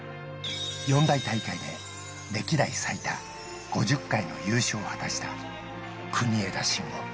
四大大会で歴代最多、５０回の優勝を果たした、国枝慎吾。